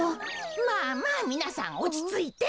まあまあみなさんおちついて。